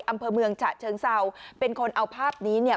อำเภอเมืองฉะเชิงเศร้าเป็นคนเอาภาพนี้เนี่ย